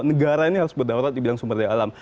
negara ini harus berdaulat di bidang sumber daya alam